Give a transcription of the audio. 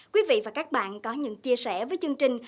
quý vị và các bạn có những chia sẻ với chương trình